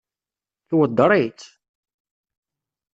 Tweddeṛ-itt?